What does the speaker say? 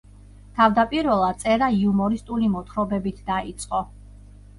თავდაპირველად წერა იუმორისტული მოთხრობებით დაიწყო.